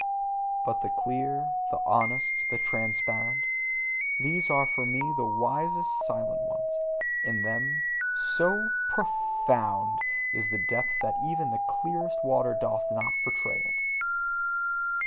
But the clear, the honest, the transparent these are for me the wisest silent ones: in them, so PROFOUND is the depth that even the clearest water doth not betray it.